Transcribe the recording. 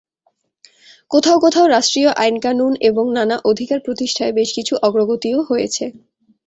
কোথাও কোথাও রাষ্ট্রীয় আইনকানুন এবং নানা অধিকার প্রতিষ্ঠায় বেশ কিছু অগ্রগতিও হয়েছে।